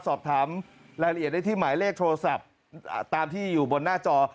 สอบถามรายละเอียดได้ที่หมายเลขโทรศัพท์ตามที่อยู่บนหน้าจอ